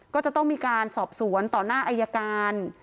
ก็จะต้องมีการสอบสวนต่อหน้าอายการ